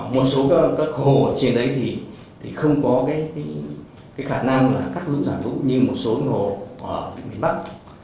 một số các hồ ở trên đấy thì không có khả năng cắt lũ sản lũ như một số hồ ở miền bắc